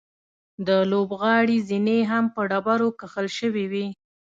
د لوبغالي زینې هم په ډبرو کښل شوې وې.